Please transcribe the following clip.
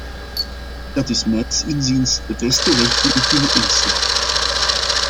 Dat is mijns inziens de beste weg die we kunnen inslaan.